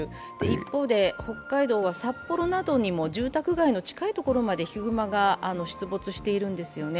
一方で、北海道は札幌などにも住宅街の近いところまでヒグマが出没しているんですよね。